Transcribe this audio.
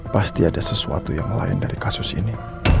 pasti ada sesuatu yang lain dari kasus ini